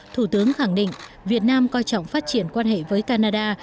thủ tướng khẳng định việt nam coi trọng phát triển quan hệ với canada